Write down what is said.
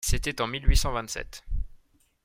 C’était en mille huit cent vingt-sept.